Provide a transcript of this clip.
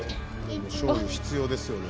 でもしょうゆ必要ですよね。